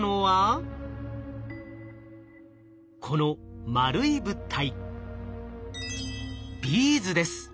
この丸い物体